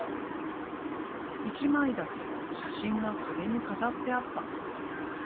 一枚だけ写真が壁に飾ってあった。